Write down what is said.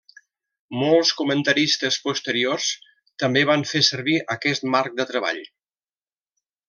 Molts comentaristes posteriors també van fer servir aquest marc de treball.